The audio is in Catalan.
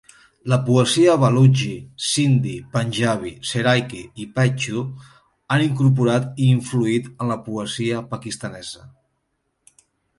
La poesia balutxi, sindhi, panjabi, seraiki i paixtu han incorporat i influït en la poesia pakistanesa.